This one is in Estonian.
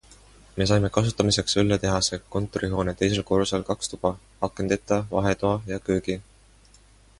Me saime kasutamiseks õlletehase kontorihoone teisel korrusel kaks tuba, akendeta vahetoa ja köögi.